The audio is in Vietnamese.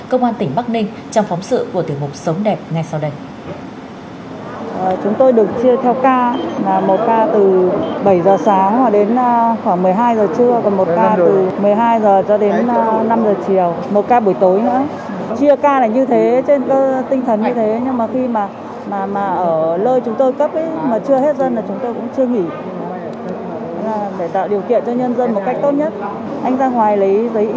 công an tỉnh bắc ninh trong phóng sự của tiểu mục sống đẹp ngay sau đây